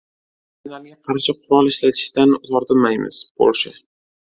Migrantlarga qarshi qurol ishlatishdan tortinmaymiz – Polsha